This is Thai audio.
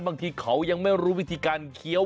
บางทีเขายังไม่รู้วิธีการเคี้ยว